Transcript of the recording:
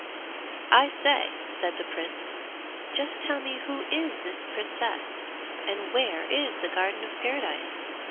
'I say,' said the Prince, 'just tell me who is this Princess, and where is the Garden of Paradise?'